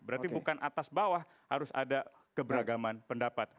berarti bukan atas bawah harus ada keberagaman pendapat